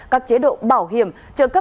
các chế độ bảo hiểm trợ cấp thất